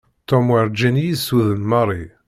Tom werǧin i yessuden Mary.